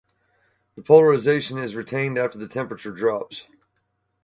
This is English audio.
The polarization is retained after the temperature drops.